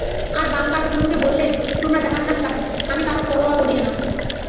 আর বাম কাঁধের গুলোকে বললেন, তোমরা জাহান্নামগামী, আমি কারো পরোয়া করি না।